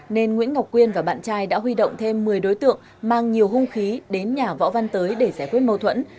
nên nguyễn ngọc quyên và bạn trai đã huy động thêm một mươi đối tượng mang nhiều hung khí đến nhà võ văn tới để giải quyết mâu thuẫn